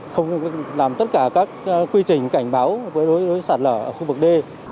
không làm tất cả các quy trình cảnh báo đối với sạt lở ở khu vực d